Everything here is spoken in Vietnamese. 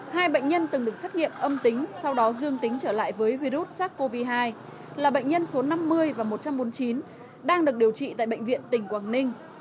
hai bệnh nhân từng được xét nghiệm âm tính sau đó dương tính trở lại với virus sars cov hai là bệnh nhân số năm mươi và một trăm bốn mươi chín đang được điều trị tại bệnh viện tỉnh quảng ninh